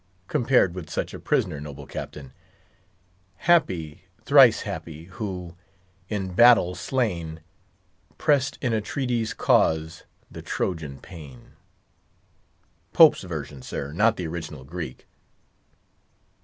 compared with such a prisoner, noble Captain, 'Happy, thrice happy, who, in battle slain, Press'd in Atrides' cause the Trojan pain!' Pope's version, sir, not the original Greek."